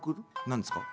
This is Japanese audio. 何ですか？」。